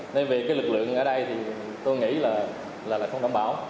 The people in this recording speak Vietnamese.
nên vì cái lực lượng ở đây thì tôi nghĩ là không đảm bảo